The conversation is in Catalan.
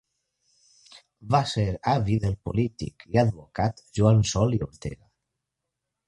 Va ser avi del polític i advocat Joan Sol i Ortega.